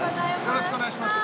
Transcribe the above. よろしくお願いします。